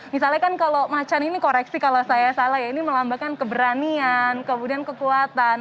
misalnya kan kalau macan ini koreksi kalau saya salah ya ini melambangkan keberanian kemudian kekuatan